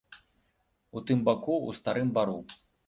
У тым баку, ў старым бару.